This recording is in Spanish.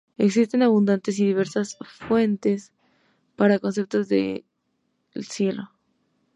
Existen abundantes y diversas fuentes para concepciones del Cielo.